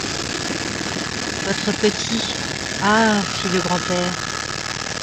Votre petit — Ah! fit le grand-père.